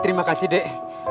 terima kasih dek